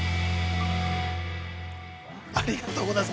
◆ありがとうございます。